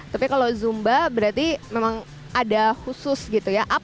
tapi kalau zumba berarti memang ada khusus gitu ya